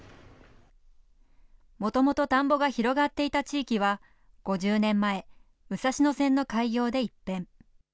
もともと田んぼが広がっていた地域は、５０年前、武蔵野線の開業で一変。